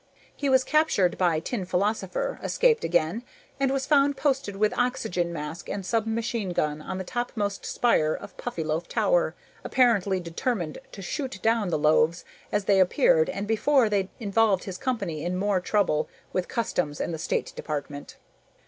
He was captured by Tin Philosopher, escaped again, and was found posted with oxygen mask and submachine gun on the topmost spire of Puffyloaf Tower, apparently determined to shoot down the loaves as they appeared and before they involved his company in more trouble with Customs and the State Department.